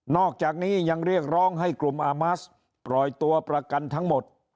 อกจากนี้ยังเรียกร้องให้กลุ่มอามัสปล่อยตัวประกันทั้งหมด